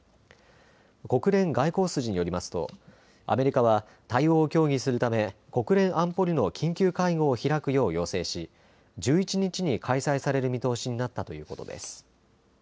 国連外交筋によりますとアメリカは対応を協議するため国連安保理の緊急会合を開くよう要請し１１日に開催される見通しになったということです。